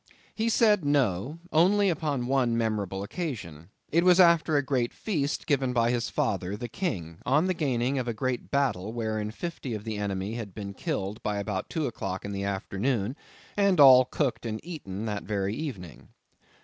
He said no; only upon one memorable occasion. It was after a great feast given by his father the king, on the gaining of a great battle wherein fifty of the enemy had been killed by about two o'clock in the afternoon, and all cooked and eaten that very evening.